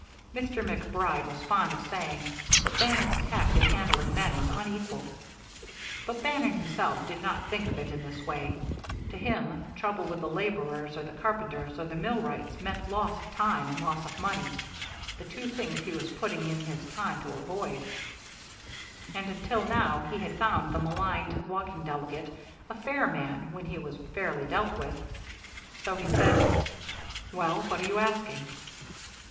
Mr. MacBride was fond of saying that Bannon's tact in handling men was unequalled; but Bannon himself did not think of it in this way to him, trouble with the laborers or the carpenters or the millwrights meant loss of time and loss of money, the two things he was putting in his time to avoid; and until now he had found the maligned walking delegate a fair man when he was fairly dealt with. So he said: "Well, what are you asking?"